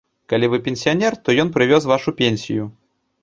Калі вы пенсіянер, то ён прывёз вашу пенсію.